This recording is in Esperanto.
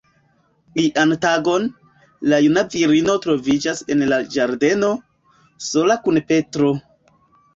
Ian tagon, la juna virino troviĝis en la ĝardeno, sola kun Petro.